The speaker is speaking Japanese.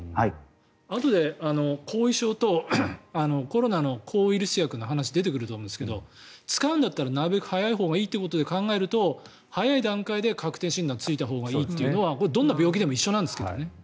あとで後遺症とコロナの抗ウイルス薬の話出てくると思うんですが使うんだったらなるべく早いほうがいいということで考えると早い段階で確定診断がついたほうがいいというのはどんな病気でも一緒なんですけどね。